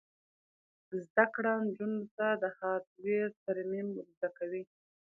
زده کړه نجونو ته د هارډویر ترمیم ور زده کوي.